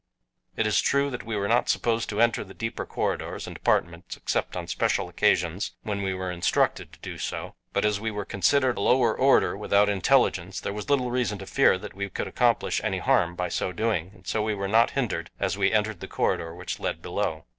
It is true that we were not supposed to enter the deeper corridors and apartments except on special occasions when we were instructed to do so; but as we were considered a lower order without intelligence there was little reason to fear that we could accomplish any harm by so doing, and so we were not hindered as we entered the corridor which led below.